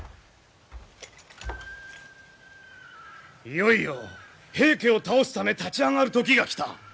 いよいよ平家を倒すため立ち上がる時が来た！